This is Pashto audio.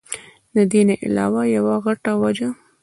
د دې نه علاوه يوه غټه وجه